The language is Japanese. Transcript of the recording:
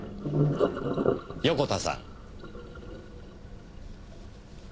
横田さん。